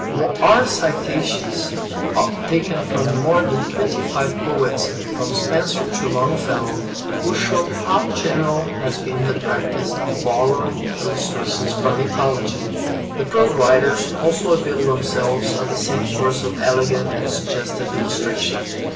Our citations, taken from more than twenty five poets, from Spenser to Longfellow, will show how general has been the practice of borrowing illustrations from mythology. The prose writers also avail themselves of the same source of elegant and suggestive illustration.